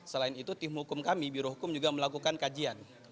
selain itu tim hukum kami birohukum juga melakukan kajian